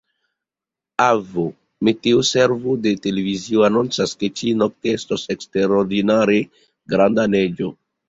Avo, meteoservo de televizio anoncas, ke ĉi-nokte estos eksterordinare granda neĝo.